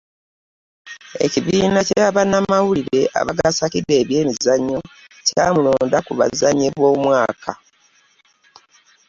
Ekibiina kya bannamawulire abagasakira ebyemizannyo kyamulonda ku buzannyi bw’omwaka.